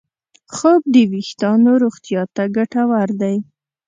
خوب د وېښتیانو روغتیا ته ګټور دی.